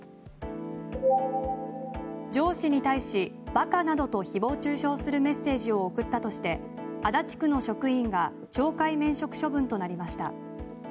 上司に対し馬鹿などと誹謗・中傷するメッセージを送ったとして足立区の職員が懲戒免職処分となりました。